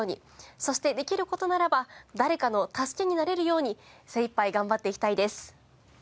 そしてできる事ならば誰かの助けになれるように精いっぱい頑張っていきたいです。